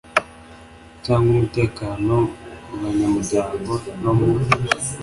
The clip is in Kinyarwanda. cyangwa umutekano mu banyamuryango no mu